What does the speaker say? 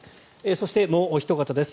そしてもうおひと方です。